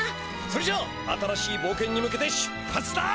それじゃあ新しいぼうけんに向けて出発だ！